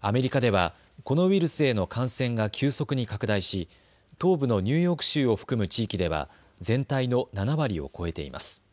アメリカではこのウイルスへの感染が急速に拡大し東部のニューヨーク州を含む地域では全体の７割を超えています。